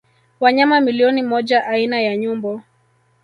Wanyama milioni moja aina ya nyumbu